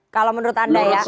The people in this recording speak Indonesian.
kalau menurut anda ya